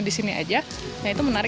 ya disini aja nah itu menarik